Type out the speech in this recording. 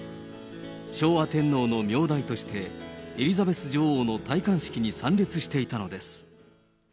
昭和天皇の名代として、エリザベス女王の戴冠式に参列していたのです。